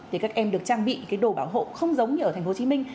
thì các em được trang bị cái đồ bảo hộ không giống như ở thành phố hồ chí minh